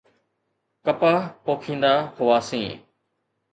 ڪپهه پوکيندا هئاسين.